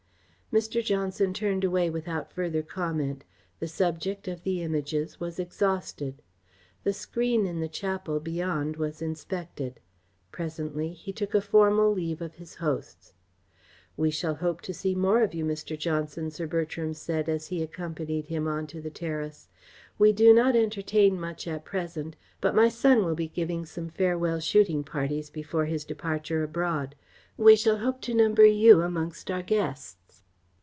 Mr. Johnson turned away without further comment. The subject of the Images was exhausted. The screen in the chapel beyond was inspected. Presently he took a formal leave of his hosts. "We shall hope to see more of you, Mr. Johnson," Sir Bertram said, as he accompanied him on to the terrace. "We do not entertain much at present, but my son will be giving some farewell shooting parties before his departure abroad. We shall hope to number you amongst our guests."